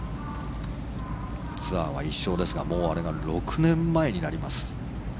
ツアーは１勝ですがもうあれが６年前になります。